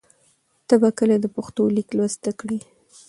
ته به کله د پښتو لیک لوست زده کړې؟